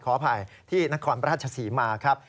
ขออภัยที่นครราชศรีมาครับ